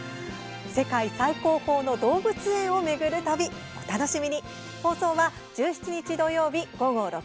世界最高峰の動物園を巡る旅お楽しみに。